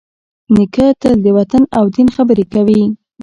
نیکه تل د وطن او دین خبرې کوي.